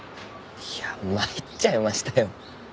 いや参っちゃいましたよ。